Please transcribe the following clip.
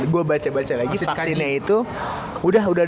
gue baca baca lagi vaksinnya itu udah di tes